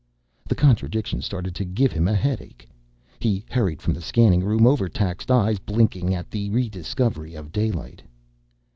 The contradiction started to give him a headache. He hurried from the scanning room, overtaxed eyes blinking at the rediscovery of daylight.